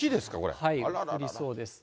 降りそうです。